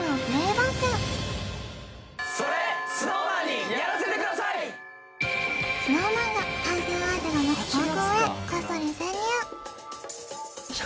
バックＳｎｏｗＭａｎが対戦相手が待つ高校へこっそり潜入！